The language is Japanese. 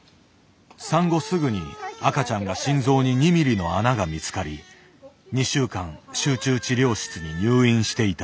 産後すぐに赤ちゃんが心臓に２ミリの穴が見つかり２週間集中治療室に入院していた。